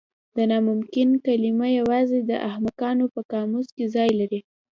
د ناممکن کلمه یوازې د احمقانو په قاموس کې ځای لري.